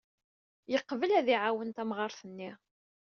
Yeqbel ad iɛawen tamɣart-nni.